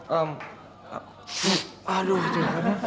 hmm aduh aduh